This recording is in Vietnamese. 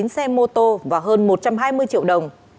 bốn xe mô tô và hơn một trăm hai mươi triệu đồng